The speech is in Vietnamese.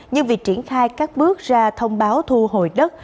nhưng vì triển khai các bước ra thông báo thu hồi đất